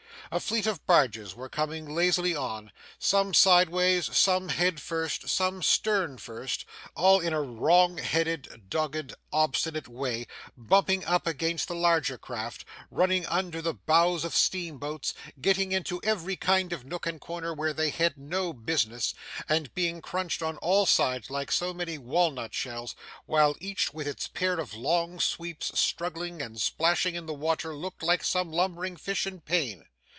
A fleet of barges were coming lazily on, some sideways, some head first, some stern first; all in a wrong headed, dogged, obstinate way, bumping up against the larger craft, running under the bows of steamboats, getting into every kind of nook and corner where they had no business, and being crunched on all sides like so many walnut shells; while each with its pair of long sweeps struggling and splashing in the water looked like some lumbering fish in pain.